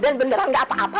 den beneran nggak apa apa